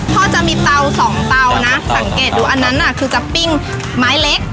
พ่อจะมีเตาสองเตานะสังเกตดูอันนั้นน่ะคือจะปิ้งไม้เล็ก